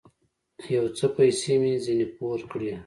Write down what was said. يو څه پيسې مې ځنې پور کړې.